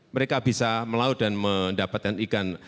mereka bisa melaut dan mendapatkan ikan